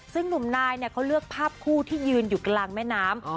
ซึ่งหนุ่มนายเนี่ยเขาเลือกภาพคู่ที่ยืนอยู่กลางแม่น้ำ